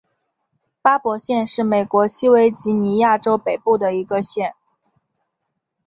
巴伯县是美国西维吉尼亚州北部的一个县。